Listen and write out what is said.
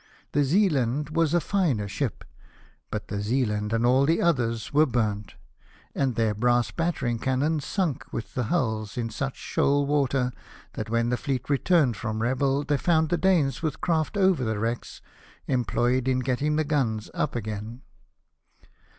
The Zealand was a finer ship, but the Zealand and all the others were burnt, and their brass battering cannon sunk with the hulls in such shoal water that, when the fleet returned from Revel, they found the Danes, with craft over the wrecks, employed in getting the gims up again.